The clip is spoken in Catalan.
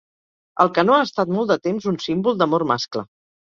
El canó ha estat molt de temps un símbol d'amor mascle.